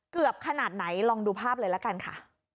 ขนาดไหนลองดูภาพเลยละกันค่ะ